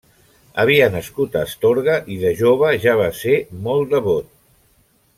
Havia nascut a Astorga i de jove ja va ser molt devot.